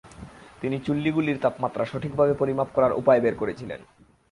তিনি চুল্লীগুলির তাপমাত্রা সঠিকভাবে পরিমাপ করার উপায় বের করেছিলেন।